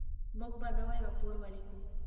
موږ به نوی راپور ولیکو.